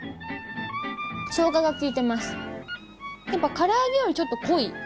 やっぱ唐揚げよりちょっと濃い。